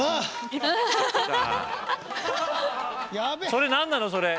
それ何なの？